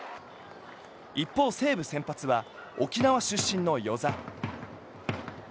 一方、西武先発は沖縄出身の與座。